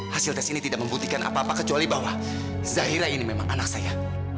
hasil tes ini tidak membuktikan apa apa kecuali bahwa zahira ini memang anak saya